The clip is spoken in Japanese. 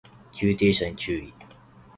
急停車に注意